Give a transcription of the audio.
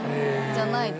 じゃないと。